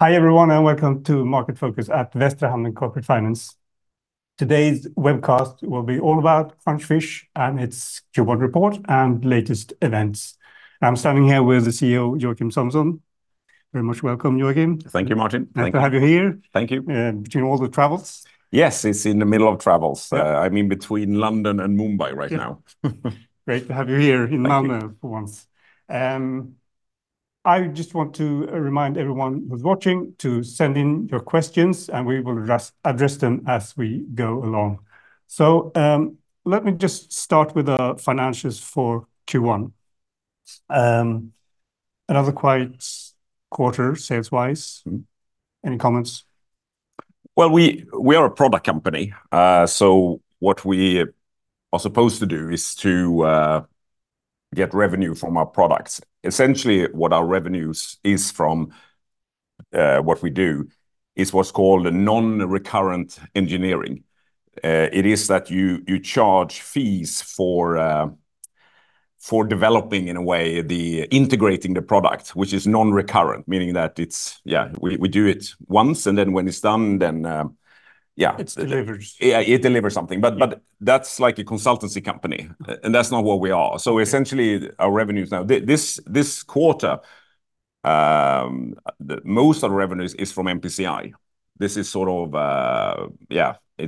Hi, everyone, and welcome to Market Focus at Västra Hamnen Corporate Finance. Today's webcast will be all about Crunchfish and its Q1 report and latest events. I'm standing here with the CEO, Joachim Samuelsson. Very much welcome, Joachim. Thank you, Martin. Thank you. Nice to have you here. Thank you. Between all the travels. Yes, it's in the middle of travels. I'm in between London and Mumbai right now. Great to have you here in Malmö for once. I just want to remind everyone who's watching to send in your questions, and we will address them as we go along. Let me just start with the financials for Q1. Another quiet quarter sales-wise. Any comments? Well, we are a product company. What we are supposed to do is to get revenue from our products. Essentially, what our revenues is from what we do is what's called a non-recurring engineering. It is that you charge fees for developing, in a way, integrating the product, which is non-recurrent, meaning that we do it once, and then when it's done, yeah. It delivers. It delivers something. That's like a consultancy company, and that's not what we are. Our revenues this quarter, most of the revenues is from NPCI.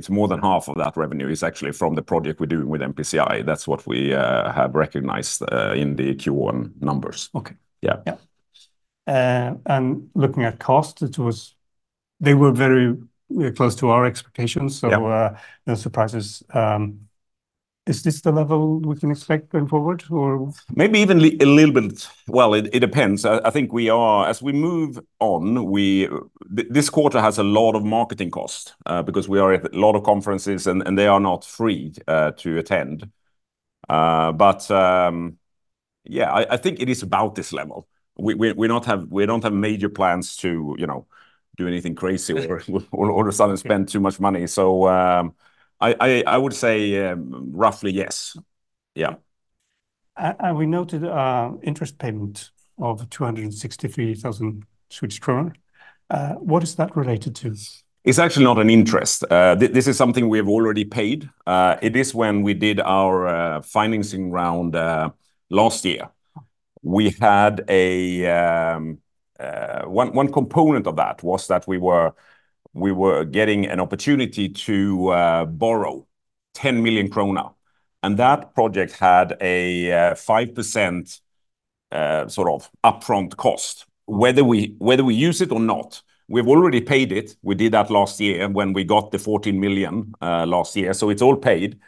More than half of that revenue is actually from the project we're doing with NPCI. That's what we have recognized in the Q1 numbers. Okay. Yeah. Yeah. Looking at cost, they were very close to our expectations. Yeah. No surprises. Is this the level we can expect going forward? Well, it depends. I think as we move on, this quarter has a lot of marketing cost because we are at a lot of conferences, and they are not free to attend. Yeah, I think it is about this level. We don't have major plans to do anything crazy or all of a sudden spend too much money. I would say roughly yes. Yeah. We noted interest payment of 263,000 Swedish kronor. What is that related to? It's actually not an interest. This is something we have already paid. It is when we did our financing round last year. One component of that was that we were getting an opportunity to borrow 10 million krona, and that project had a 5% sort of upfront cost, whether we use it or not. We've already paid it. We did that last year when we got the 14 million last year. It's all paid,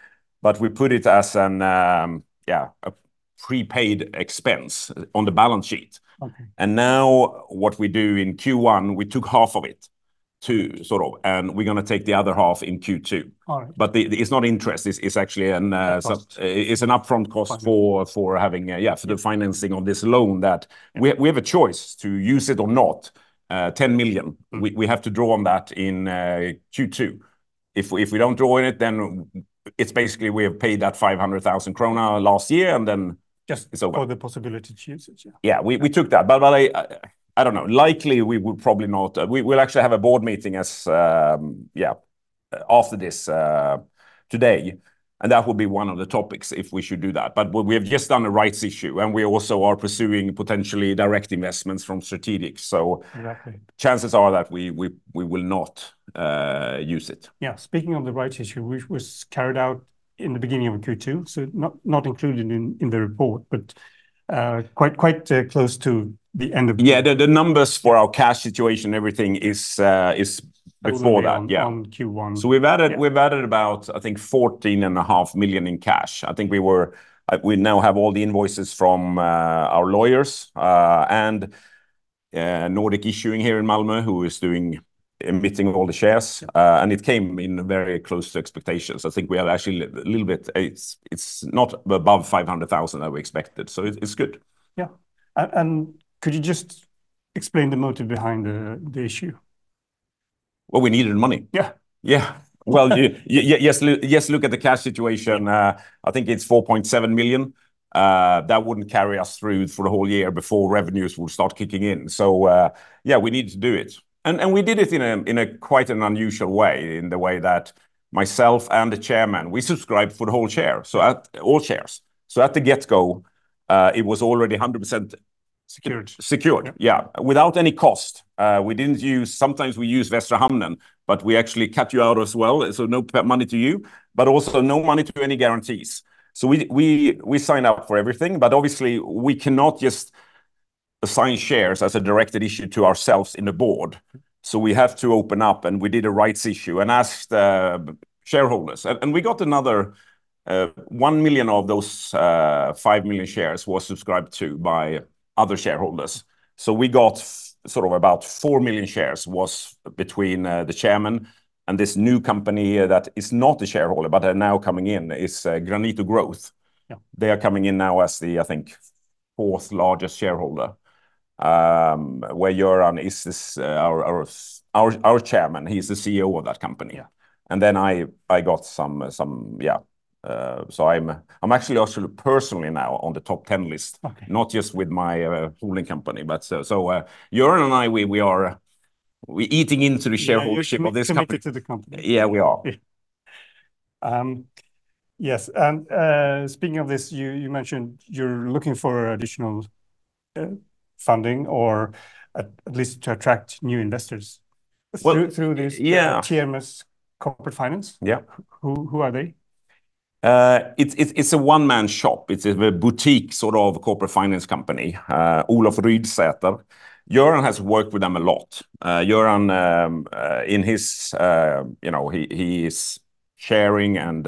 but we put it as a prepaid expense on the balance sheet. Okay. Now what we do in Q1, we took half of it too, sort of, and we're going to take the other half in Q2. All right. It's not interest. It's actually Cost it's an upfront cost for the financing of this loan that we have a choice to use it or not, 10 million. We have to draw on that in Q2. If we don't draw on it's basically we have paid that 500,000 krona last year. Just for the possibility to use it, yeah. Yeah, we took that. I don't know. Likely, we will probably not. We'll actually have a board meeting after this today, and that will be one of the topics if we should do that. We have just done a rights issue, and we also are pursuing potentially direct investments from strategic. Exactly chances are that we will not use it. Yeah. Speaking of the rights issue, which was carried out in the beginning of Q2, not included in the report, but quite close to the end of the Yeah, the numbers for our cash situation, everything is before that. On Q1. We've added about, I think, 14.5 million in cash. I think we now have all the invoices from our lawyers and Nordic Issuing here in Malmo who is doing emitting of all the shares, and it came in very close to expectations. I think we are actually. It's not above 500,000 that we expected. It's good. Yeah. Could you just explain the motive behind the issue? Well, we needed money. Yeah. Well, yes, look at the cash situation. I think it's 4.7 million. That wouldn't carry us through for the whole year before revenues will start kicking in. Yeah, we need to do it. We did it in a quite an unusual way, in the way that myself and the Chairman, we subscribed for the whole shares. At the get-go, it was already 100%- Secured secured, yeah. Without any cost. Sometimes we use Västra Hamnen, but we actually cut you out as well, no money to you, but also no money to any guarantees. We sign up for everything, but obviously, we cannot just assign shares as a directed issue to ourselves in the board. We have to open up, and we did a rights issue and asked shareholders. We got another 1 million of those 5 million shares was subscribed to by other shareholders. We got sort of about 4 million shares was between the chairman and this new company that is not a shareholder but are now coming in, is Granitor Growth. Yeah. They are coming in now as the, I think, fourth largest shareholder, where Göran is our Chairman. He is the CEO of that company. Yeah. I'm actually also personally now on the top 10 list. Okay. Not just with my holding company. Göran and I, we are eating into the shareholding of this company. You're committed to the company. Yeah, we are. Yes. Speaking of this, you mentioned you're looking for additional funding or at least to attract new investors. Well- through this- Yeah TriMas Corporate Finance. Yeah. Who are they? It's a one-man shop. It's a very boutique sort of corporate finance company. Olov Rydsäter. Göran has worked with them a lot. Göran is sharing and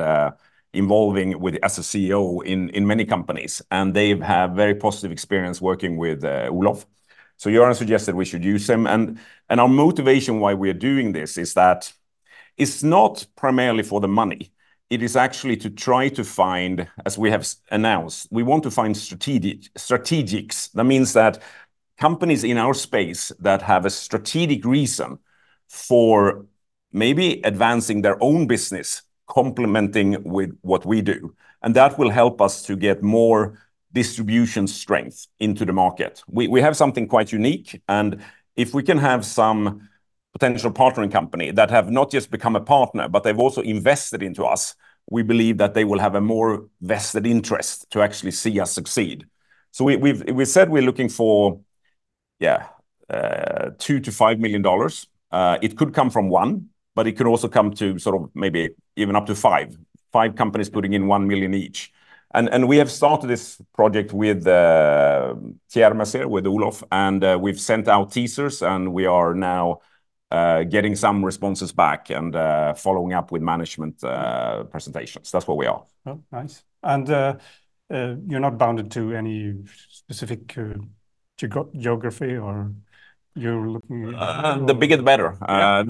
involving with, as a CEO in many companies, and they've had very positive experience working with Olov. Göran suggested we should use him and our motivation why we are doing this is that it's not primarily for the money. It is actually to try to find, as we have announced, we want to find strategics. That means that companies in our space that have a strategic reason for maybe advancing their own business, complementing with what we do, and that will help us to get more distribution strength into the market. We have something quite unique and if we can have some potential partnering company that have not just become a partner, but they've also invested into us, we believe that they will have a more vested interest to actually see us succeed. We said we're looking for, yeah, $2 to 5 million. It could come from one, but it could also come to sort of maybe even up to five. Five companies putting in $1 million each. We have started this project with, TriMas here, with Olov, and we've sent out teasers, and we are now getting some responses back and following up with management presentations. That's where we are. Oh, nice. You're not bounded to any specific geography or you're looking- The bigger the better. Yeah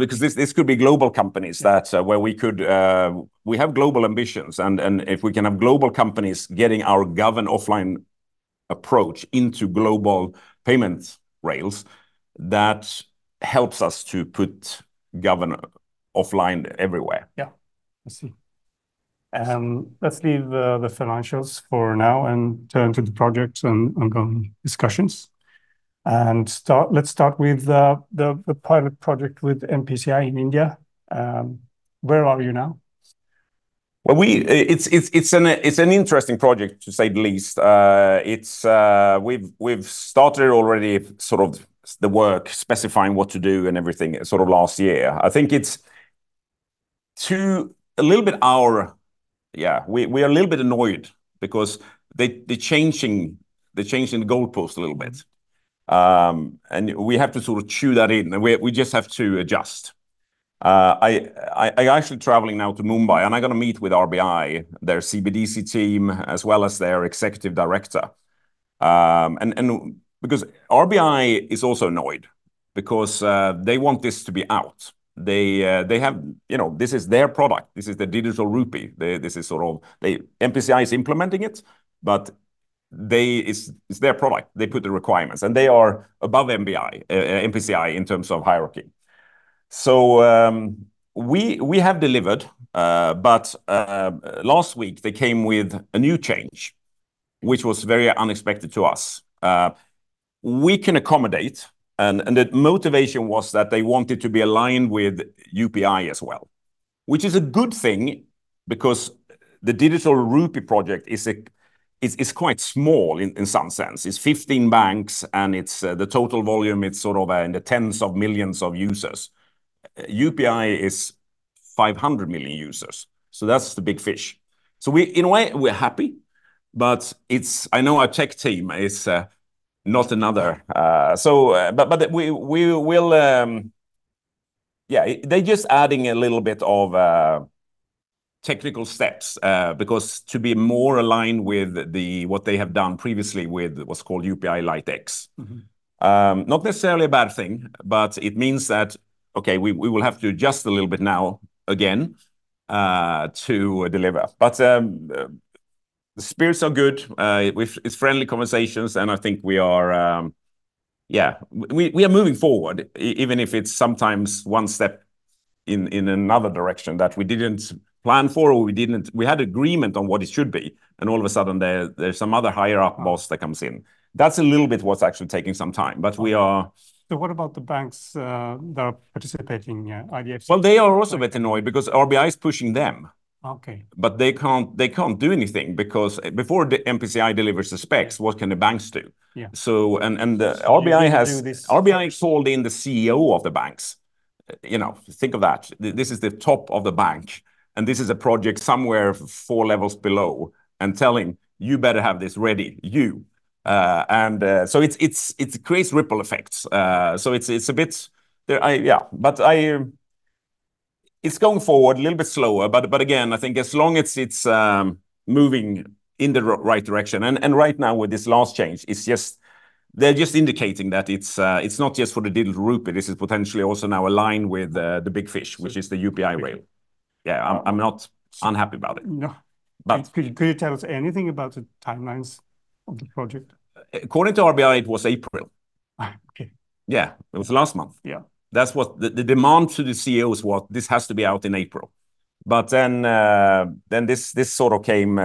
We have global ambitions if we can have global companies getting our Governed Offline approach into global payments rails, that helps us to put Governed Offline everywhere. Yeah. I see. Let's leave the financials for now and turn to the projects and ongoing discussions. Let's start with the pilot project with NPCI in India. Where are you now? Well, it's an interesting project to say the least. We've started already sort of the work specifying what to do and everything sort of last year. I think it's a little bit our. We are a little bit annoyed because they're changing the goalpost a little bit. We have to sort of chew that in, and we just have to adjust. I'm actually traveling now to Mumbai, and I'm gonna meet with RBI, their CBDC team, as well as their Executive Director. RBI is also annoyed because they want this to be out. This is their product. This is the digital rupee. NPCI is implementing it, but it's their product. They put the requirements, and they are above RBI, NPCI in terms of hierarchy. We have delivered, but last week they came with a new change, which was very unexpected to us. We can accommodate, the motivation was that they wanted to be aligned with UPI as well, which is a good thing because the digital rupee project is quite small in some sense. It's 15 banks and the total volume, it's sort of in the tens of millions of users. UPI is 500 million users, that's the big fish. In a way, we're happy, but I know our tech team is not. They're just adding a little bit of technical steps, because to be more aligned with what they have done previously with what's called UPI Lite X. Not necessarily a bad thing. It means that, okay, we will have to adjust a little bit now again, to deliver. The spirits are good. It's friendly conversations, and I think we are moving forward, even if it's sometimes one step in another direction that we didn't plan for or we didn't. We had agreement on what it should be, and all of a sudden there's some other higher-up boss that comes in. That's a little bit what's actually taking some time. We are. What about the banks that are participating, IDFC? Well, they are also a bit annoyed because RBI is pushing them. Okay. They can't do anything because before the NPCI delivers the specs, what can the banks do? Yeah. The RBI has- You need to do this. RBI sold in the CEO of the banks. Think of that. This is the top of the bank, and this is a project somewhere four levels below and telling, "You better have this ready, you." It creates ripple effects. It's going forward a little bit slower, but again, I think as long as it's moving in the right direction. Right now with this last change, they're just indicating that it's not just for the digital rupee. This is potentially also now aligned with the big fish, which is the UPI rail. Yeah, I'm not unhappy about it. No. But- Could you tell us anything about the timelines of the project? According to RBI, it was April. Okay. Yeah. It was last month. Yeah. The demand to the CEO is this has to be out in April. This sort of came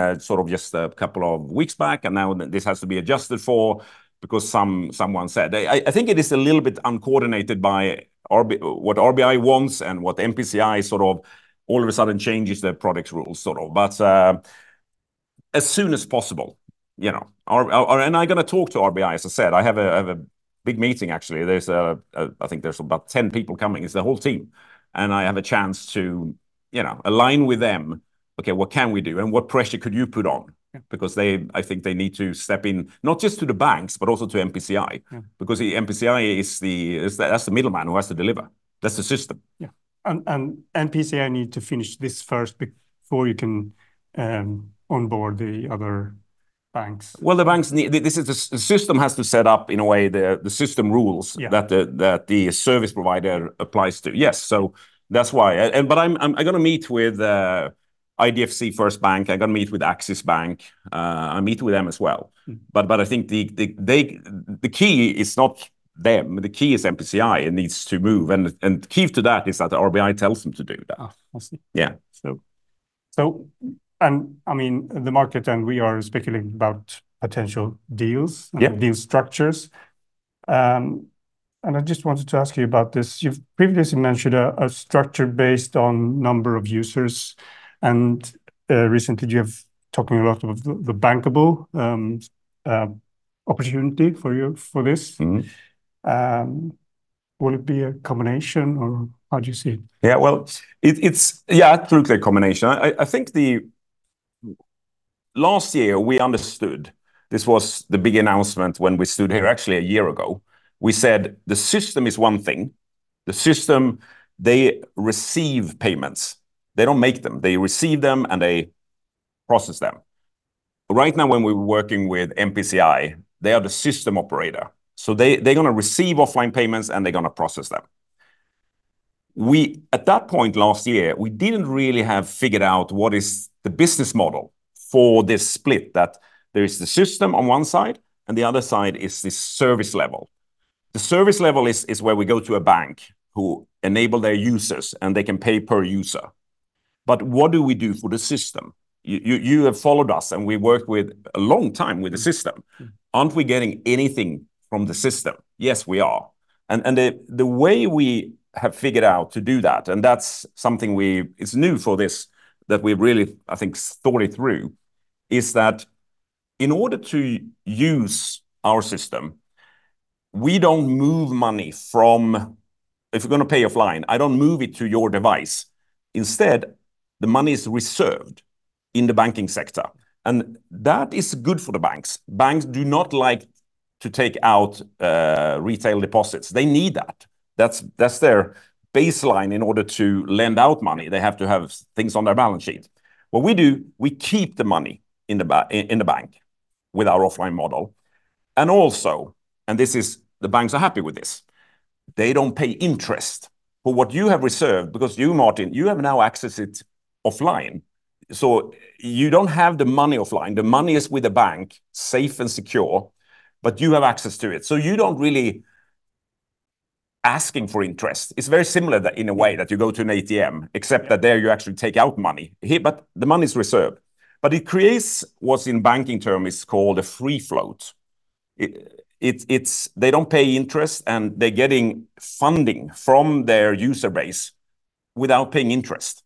just a couple of weeks back, now this has to be adjusted for because someone said. I think it is a little bit uncoordinated by what RBI wants and what NPCI sort of all of a sudden changes their products rules. As soon as possible. I'm going to talk to RBI, as I said. I have a big meeting, actually. I think there's about 10 people coming. It's the whole team. I have a chance to align with them. Okay, what can we do, and what pressure could you put on? Yeah. I think they need to step in, not just to the banks, but also to NPCI. Yeah. Because the NPCI, that's the middleman who has to deliver. That's the system. Yeah. NPCI need to finish this first before you can onboard the other banks. Well, the banks, the system has to set up in a way the system rules. Yeah that the service provider applies to. Yes. That's why. I'm going to meet with IDFC First Bank. I'm going to meet with Axis Bank. I meet with them as well. I think the key is not them. The key is NPCI. It needs to move, and the key to that is that the RBI tells them to do that. Oh, I see. Yeah. The market and we are speculating about potential deals. Yeah deal structures. I just wanted to ask you about this. You've previously mentioned a structure based on number of users, and recently you have talking a lot of the bankable opportunity for this. Will it be a combination or how do you see it? Yeah. Absolutely a combination. I think the last year we understood this was the big announcement when we stood here actually a year ago. We said the system is one thing. The system, they receive payments. They don't make them. They receive them and they process them. When we're working with NPCI, they are the system operator. They're going to receive offline payments and they're going to process them. At that point last year, we didn't really have figured out what is the business model for this split, that there is the system on one side and the other side is the service level. The service level is where we go to a bank who enable their users and they can pay per user. What do we do for the system? You have followed us and we worked with a long time with the system. Aren't we getting anything from the system? Yes, we are. The way we have figured out to do that, and that's something is new for this, that we've really, I think, thought it through, is that in order to use our system, we don't move money. If you're going to pay offline, I don't move it to your device. Instead, the money is reserved in the banking sector, that is good for the banks. Banks do not like to take out retail deposits. They need that. That's their baseline. In order to lend out money, they have to have things on their balance sheet. What we do, we keep the money in the bank with our offline model. The banks are happy with this. They don't pay interest for what you have reserved because you, Martin, you have now accessed it offline. You don't have the money offline. The money is with the bank, safe and secure, but you have access to it. You don't really asking for interest. It's very similar that in a way that you go to an ATM, except that there you actually take out money. The money is reserved. It creates what's in banking term is called a free float. They don't pay interest and they're getting funding from their user base without paying interest.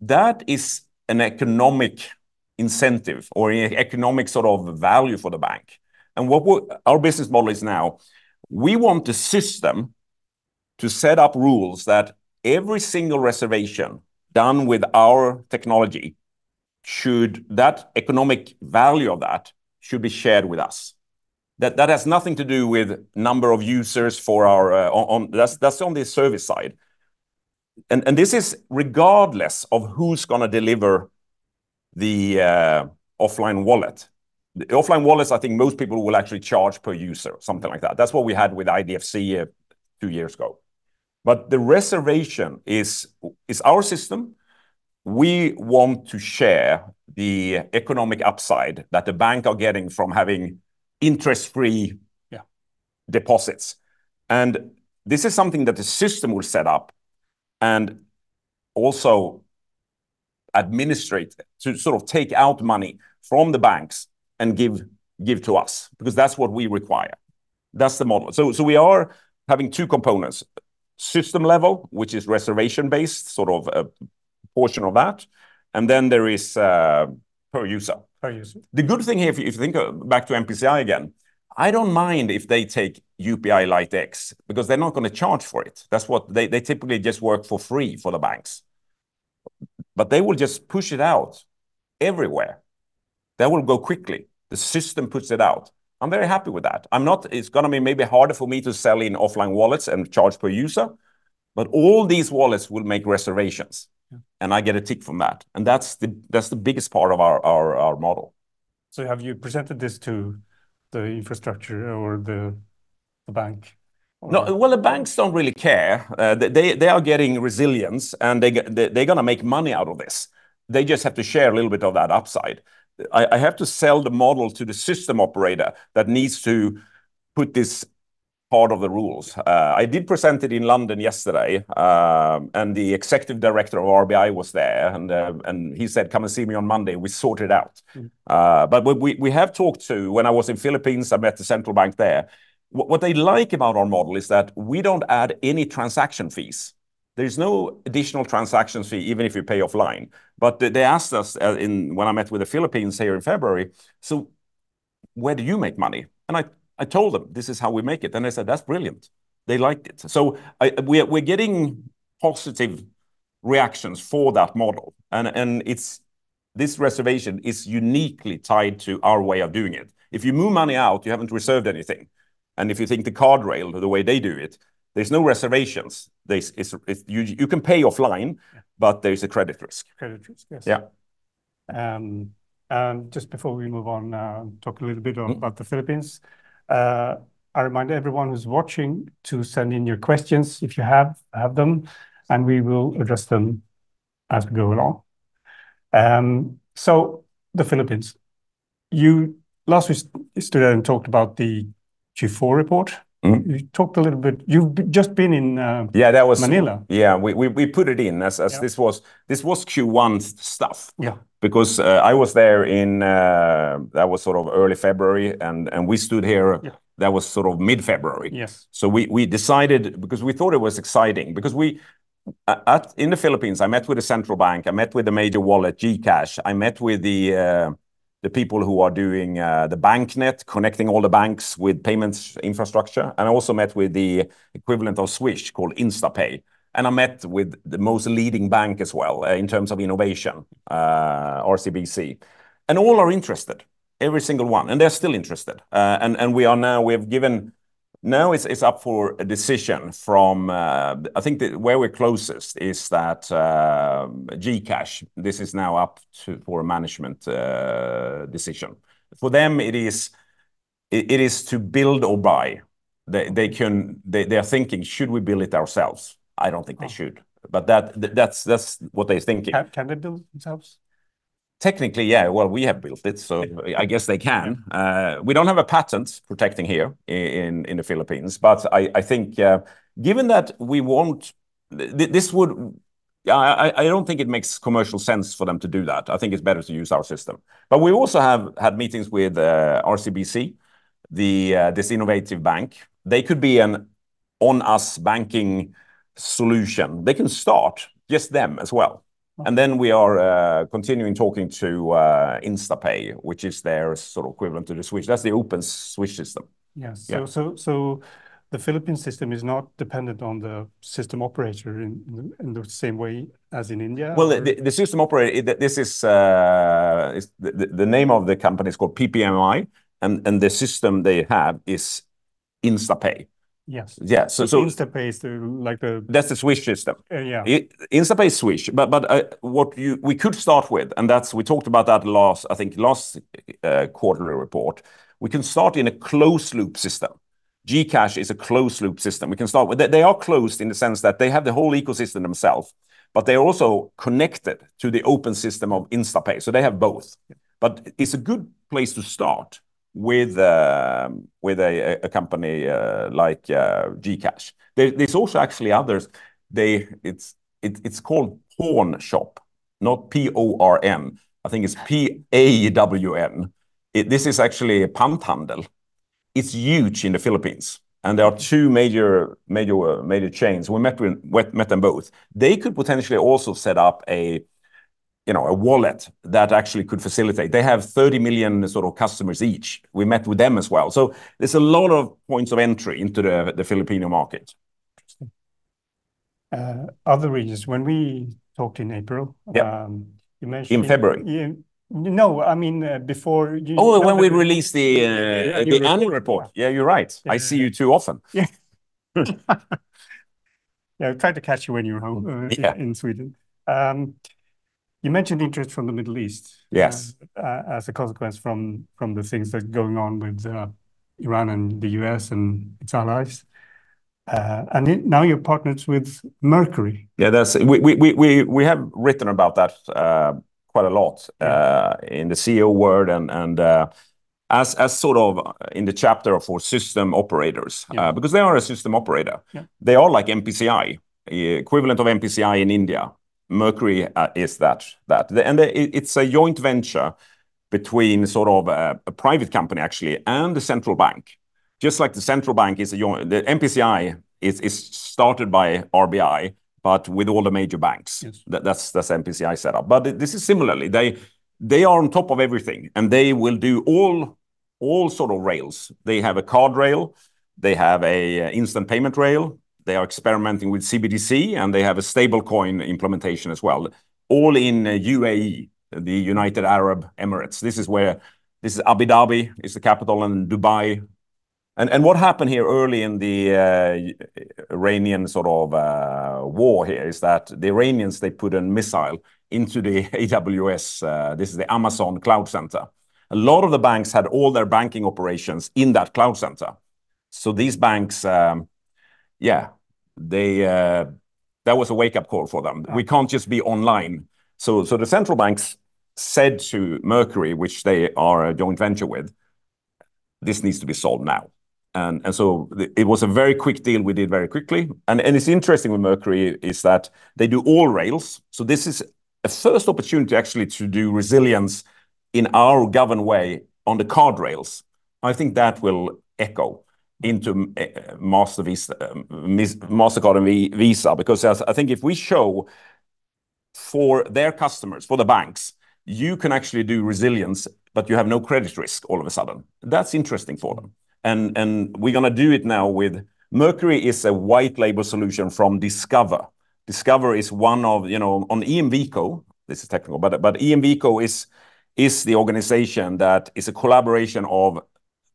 That is an economic incentive or economic sort of value for the bank. What our business model is now, we want the system to set up rules that every single reservation done with our technology, that economic value of that should be shared with us. That has nothing to do with number of users. That's on the service side. This is regardless of who's going to deliver the offline wallet. The offline wallets, I think most people will actually charge per user, something like that. That's what we had with IDFC two years ago. The reservation is our system. We want to share the economic upside that the bank are getting from having interest-free- Yeah deposits. This is something that the system will set up and also administrate to sort of take out money from the banks and give to us because that's what we require. That's the model. We are having two components. System level, which is reservation based, sort of a portion of that, and then there is per user. Per user. The good thing here, if you think back to NPCI again, I don't mind if they take UPI Lite X because they're not going to charge for it. They typically just work for free for the banks. They will just push it out everywhere. That will go quickly. The system puts it out. I'm very happy with that. It's going to be maybe harder for me to sell in offline wallets and charge per user, but all these wallets will make reservations. Yeah. I get a tick from that. That's the biggest part of our model. Have you presented this to the infrastructure or the bank? No. Well, the banks don't really care. They are getting resilience, and they're going to make money out of this. They just have to share a little bit of that upside. I have to sell the model to the system operator that needs to put this part of the rules. I did present it in London yesterday, and the Executive Director of RBI was there, and he said, "Come and see me on Monday, and we sort it out. When I was in Philippines, I met the central bank there. What they like about our model is that we don't add any transaction fees. There's no additional transactions fee, even if you pay offline. They asked us when I met with the Philippines here in February, "So where do you make money?" I told them, "This is how we make it." They said, "That's brilliant." They liked it. We're getting positive reactions for that model, and this reservation is uniquely tied to our way of doing it. If you move money out, you haven't reserved anything. If you think the card rail, the way they do it, there's no reservations. You can pay offline. Yeah There's a credit risk. Credit risk, yes. Yeah. Just before we move on, talk a little bit about the Philippines. I remind everyone who's watching to send in your questions if you have them, and we will address them as we go along. The Philippines. Last we stood and talked about the Q4 report. You've just been in. Yeah, that was- Manila. Yeah. We put it in. Yeah this was Q1 stuff. Yeah. Because I was there in, that was early February, and we stood here- Yeah that was mid-February. Yes. We decided, because we thought it was exciting. In the Philippines, I met with the central bank. I met with the major wallet, GCash. I met with the people who are doing the BancNet, connecting all the banks with payments infrastructure, and I also met with the equivalent of Swish called InstaPay. I met with the most leading bank as well, in terms of innovation, RCBC. All are interested, every single one, and they're still interested. Now it's up for a decision from, I think where we're closest is that GCash, this is now up for a management decision. For them, it is to build or buy. They are thinking, "Should we build it ourselves?" I don't think they should, but that's what they're thinking. Can they build themselves? Technically, yeah. Well, we have built it, so I guess they can. We don't have a patent protecting here in the Philippines. I don't think it makes commercial sense for them to do that. I think it's better to use our system. We also have had meetings with RCBC, this innovative bank. They could be an on-us banking solution. They can start, just them as well. Then we are continuing talking to InstaPay, which is their equivalent to the Swish. That's the open Swish system. Yeah. Yeah. The Philippine system is not dependent on the system operator in the same way as in India or. Well, the system operator, the name of the company is called PPMI, and the system they have is InstaPay. Yes. Yeah. InstaPay is like. That's the Swish system. Yeah. InstaPay Swish. What we could start with, and we talked about that I think last quarterly report. We can start in a closed loop system. GCash is a closed loop system. They are closed in the sense that they have the whole ecosystem themselves, but they're also connected to the open system of InstaPay. They have both. It's a good place to start with a company like GCash. There's also actually others. It's called Pawnshop, not P-O-R-M. I think it's P-A-W-N. This is actually a pawn handle. It's huge in the Philippines, and there are 2 major chains. We met them both. They could potentially also set up a wallet that actually could facilitate. They have 30 million customers each. We met with them as well. There's a lot of points of entry into the Filipino market. Interesting. Other regions. When we talked in April. Yeah you mentioned- In February. No, I mean, before you. Oh, when we released the annual report. The annual report. Yeah, you're right. I see you too often. Yeah. Yeah, I tried to catch you when you were home. Yeah in Sweden. You mentioned interest from the Middle East- Yes as a consequence from the things that are going on with Iran and the U.S. and its allies. Now you're partners with Mercury. Yeah. We have written about that quite a lot in the CEO world and as sort of in the chapter for system operators. Yeah. Because they are a system operator. Yeah. They are like NPCI, equivalent of NPCI in India. Mercury is that. It's a joint venture between a private company, actually, and the central bank. The NPCI is started by RBI, but with all the major banks. Yes. That's NPCI set up. This is similarly. They are on top of everything, and they will do all sort of rails. They have a card rail. They have an instant payment rail. They are experimenting with CBDC, and they have a stable coin implementation as well, all in UAE, the United Arab Emirates. This is Abu Dhabi, is the capital, and Dubai. What happened here early in the Iranian war here is that the Iranians, they put a missile into the AWS. This is the Amazon cloud center. A lot of the banks had all their banking operations in that cloud center. These banks, that was a wake-up call for them. Yeah. The central banks said to Mercury, which they are a joint venture with, "This needs to be solved now." It was a very quick deal, we did very quickly. It's interesting with Mercury is that they do all rails. This is a first opportunity, actually, to do resilience in our governed way on the card rails. I think that will echo into Mastercard and Visa, because I think if we show for their customers, for the banks, you can actually do resilience, but you have no credit risk all of a sudden. That's interesting for them. We're going to do it now with Mercury is a white label solution from Discover. Discover is one of, on EMVCo, this is technical, but EMVCo is the organization that is a collaboration of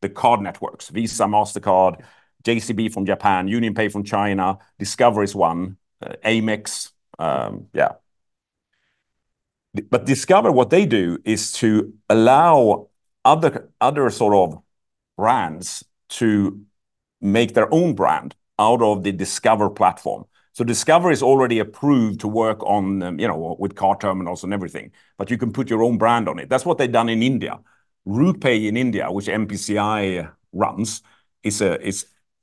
the card networks, Visa, Mastercard, JCB from Japan, UnionPay from China. Discover is one, Amex. Discover, what they do is to allow other sort of brands to make their own brand out of the Discover platform. Discover is already approved to work on with card terminals and everything, but you can put your own brand on it. That's what they have done in India. RuPay in India, which NPCI runs,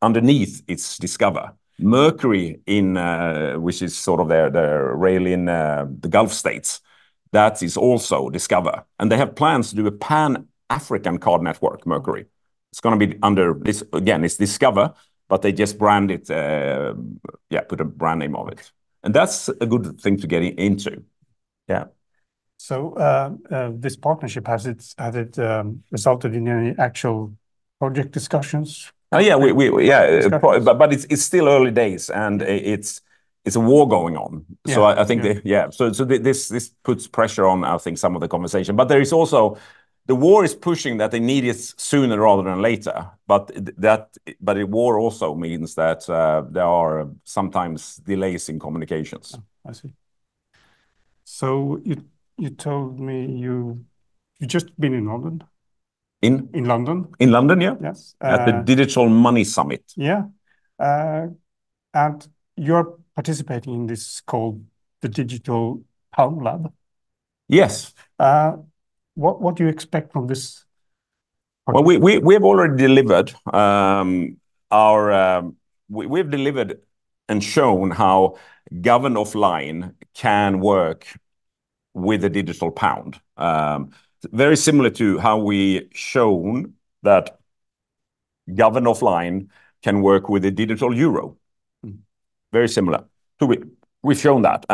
underneath, it's Discover. Mercury, which is sort of their rail in the Gulf States, that is also Discover, and they have plans to do a Pan-African card network, Mercury. It's going to be under, again, it's Discover, but they just put a brand name of it. That's a good thing to get into. Yeah. This partnership, has it resulted in any actual project discussions? Yeah. Discussions? It's still early days, and it's a war going on. Yeah. I think this puts pressure on, I think, some of the conversation. The war is pushing that they need it sooner rather than later, but the war also means that there are sometimes delays in communications. Oh, I see. You told me you've just been in London. In? In London. In London, yeah. Yes. At the Digital Money Summit. Yeah. You're participating in this called the Digital Pound Lab. Yes. What do you expect from this project? Well, we've delivered and shown how Governed Offline can work with a digital pound. Very similar to how we've shown that Governed Offline can work with a digital euro. Very similar. We've shown that.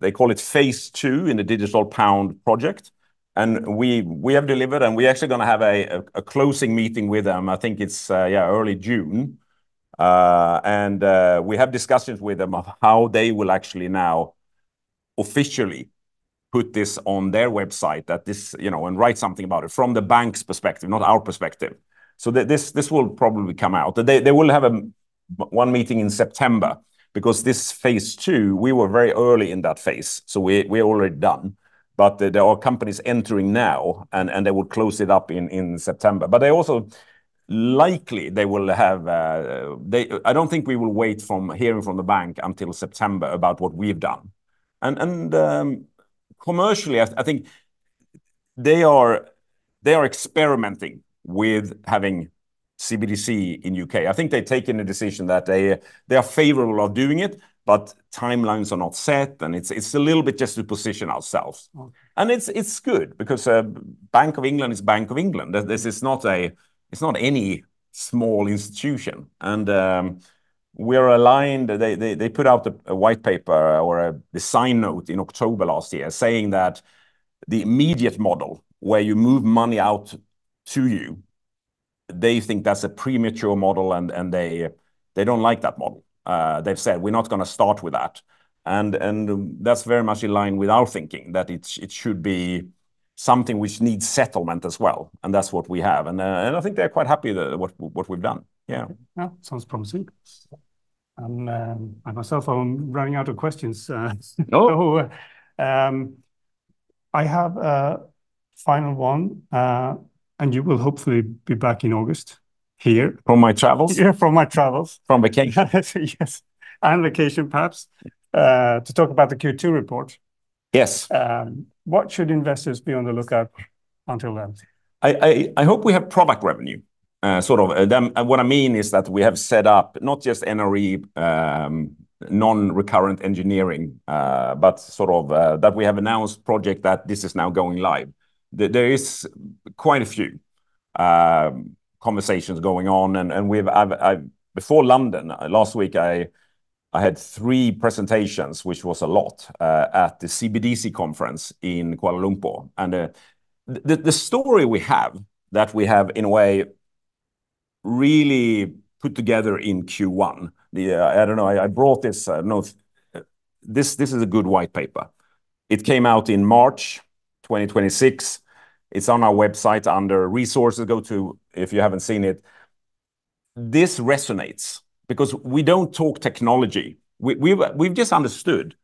They call it phase II in the Digital Pound Project, and we have delivered, and we're actually going to have a closing meeting with them, I think it's early June. We have discussions with them of how they will actually now officially put this on their website, and write something about it from the Bank's perspective, not our perspective. This will probably come out. They will have one meeting in September, because this phase II, we were very early in that phase, so we're already done. There are companies entering now, and they will close it up in September. Also, likely, I don't think we will wait from hearing from the Bank until September about what we've done. Commercially, I think they are experimenting with having CBDC in U.K. I think they've taken a decision that they are favorable of doing it, but timelines are not set, and it's a little bit just to position ourselves. Okay. It's good because Bank of England is Bank of England. This is not any small institution. We're aligned. They put out a white paper or a design note in October last year saying that the immediate model, where you move money out to you, they think that's a premature model, and they don't like that model. They've said, "We're not going to start with that." That's very much in line with our thinking, that it should be something which needs settlement as well, and that's what we have. I think they're quite happy with what we've done. Yeah. Yeah. Sounds promising. I myself am running out of questions. No. I have a final one, and you will hopefully be back in August here. From my travels. Yeah, from my travels. From vacation. Yes. Vacation, perhaps, to talk about the Q2 report. Yes. What should investors be on the lookout until then? I hope we have product revenue. What I mean is that we have set up not just NRE, non-recurring engineering, but sort of that we have announced project that this is now going live. There is quite a few conversations going on, before London, last week, I had three presentations, which was a lot, at the CBDC conference in Kuala Lumpur. The story we have that we have, in a way, really put together in Q1. I don't know, I brought this. This is a good white paper. It came out in March 2026. It's on our website under Resources. Go to, if you haven't seen it. This resonates because we don't talk technology. We've just understood.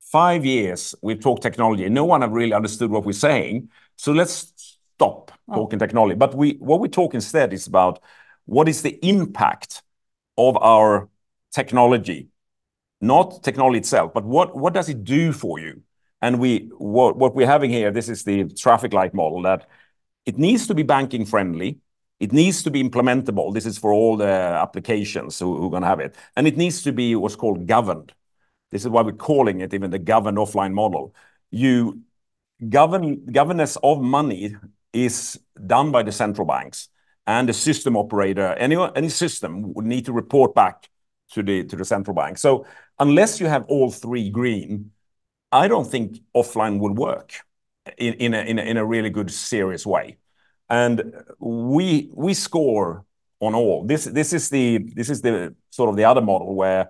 Five years we've talked technology, and no one has really understood what we're saying, so let's stop talking technology. What we talk instead is about what is the impact of our technology, not technology itself, but what does it do for you? What we're having here, this is the traffic light model, that it needs to be banking-friendly. It needs to be implementable. This is for all the applications who are going to have it, and it needs to be what's called governed. This is why we're calling it even the Governed Offline model. Governance of money is done by the central banks and the system operator. Any system would need to report back to the central bank. Unless you have all three green, I don't think offline would work in a really good, serious way. We score on all. This is the sort of the other model where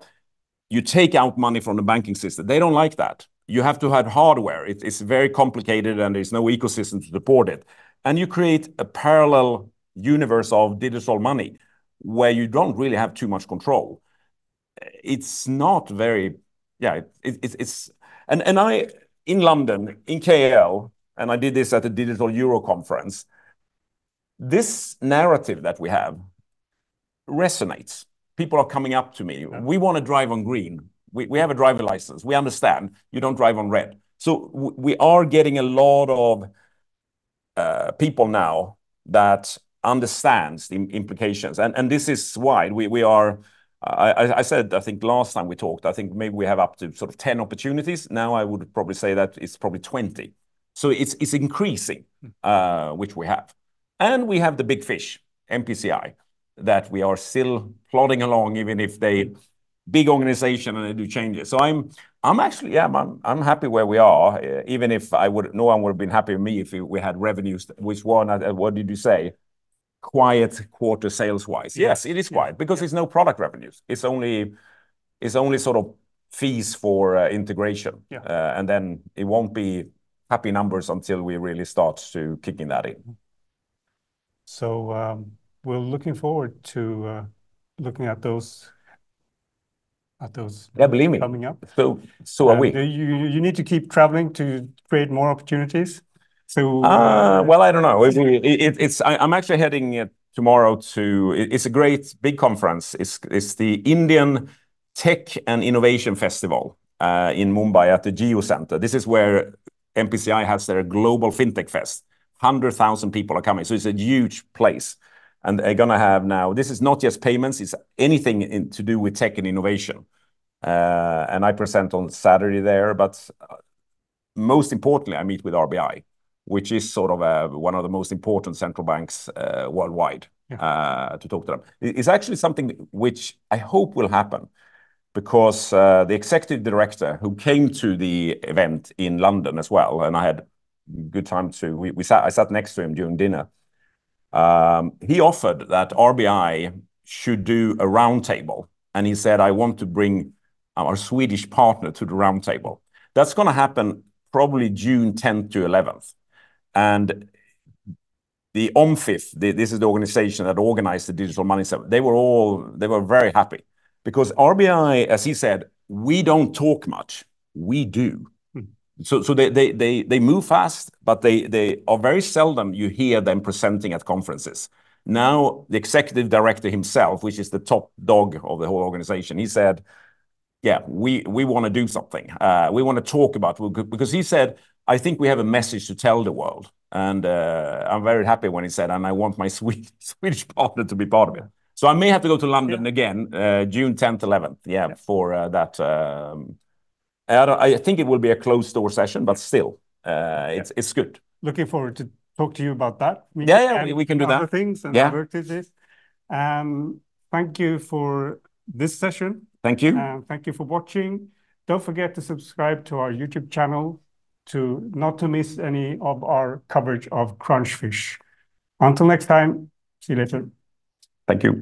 you take out money from the banking system. They don't like that. You have to have hardware. It's very complicated, and there's no ecosystem to support it, and you create a parallel universe of digital money where you don't really have too much control. In London, in KL, and I did this at the Digital Euro Conference, this narrative that we have resonates. People are coming up to me. "We want to drive on green. We have a driver license. We understand you don't drive on red." We are getting a lot of people now that understand the implications. This is why I said, I think last time we talked, I think maybe we have up to sort of 10 opportunities. Now, I would probably say that it's probably 20. It's increasing, which we have. We have the big fish, NPCI, that we are still plodding along, even if they big organization, and they do changes. I'm happy where we are, even if no one would've been happy with me if we had revenues. Which one? What did you say? Quiet quarter sales-wise. It is quiet because there's no product revenues. It's only sort of fees for integration. Yeah. It won't be happy numbers until we really start to kicking that in. We're looking forward to looking at those. Yeah, believe me. coming up. Are we. You need to keep traveling to create more opportunities. Well, I don't know. I'm actually heading tomorrow. It's a great big conference. It's the Indian Tech and Innovation Festival, in Mumbai at the Jio World Centre. This is where NPCI has their Global Fintech Fest. 100,000 people are coming. It's a huge place. This is not just payments, it's anything to do with tech and innovation. I present on Saturday there. Most importantly, I meet with RBI, which is sort of one of the most important central banks worldwide. Yeah to talk to them. It's actually something which I hope will happen because the executive director who came to the event in London as well, and I had a good time too. I sat next to him during dinner. He offered that RBI should do a roundtable, and he said, "I want to bring our Swedish partner to the roundtable." That's going to happen probably June 10th to 11th. The OMFIF, this is the organization that organized the Digital Money Summit. They were very happy because RBI, as he said, "We don't talk much." We do. They move fast, but very seldom you hear them presenting at conferences. The executive director himself, which is the top dog of the whole organization, he said, "Yeah, we want to do something. We want to talk about it." He said, "I think we have a message to tell the world." I'm very happy when he said, "And I want my Swedish partner to be part of it." I may have to go to London again, June 10th, 11th. Yeah. Yeah. For that. I think it will be a closed-door session, but still, it's good. Looking forward to talk to you about that. Yeah. We can do that. Other things and the vertices. Thank you for this session. Thank you. Thank you for watching. Don't forget to subscribe to our YouTube channel to not miss any of our coverage of Crunchfish. Until next time, see you later. Thank you.